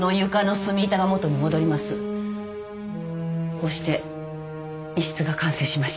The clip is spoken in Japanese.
こうして密室が完成しました。